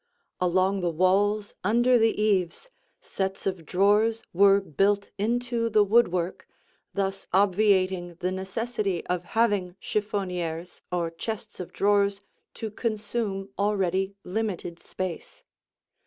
Along the walls under the eaves, sets of drawers were built into the woodwork, thus obviating the necessity of having chiffoniers or chests of drawers to consume already limited space.